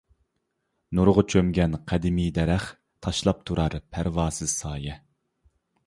نۇرغا چۆمگەن قەدىمىي دەرەخ، تاشلاپ تۇرار پەرۋاسىز سايە.